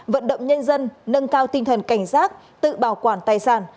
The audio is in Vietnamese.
vận động nhân dân nâng cao tinh thần cảnh giác tự bảo quản tài sản